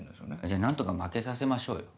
じゃ何とか負けさせましょうよ。